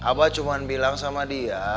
abah cuma bilang sama dia